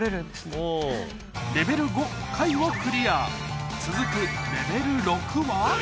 レベル５貝をクリア続くレベル６は？